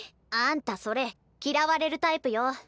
あんたそれ嫌われるタイプよ。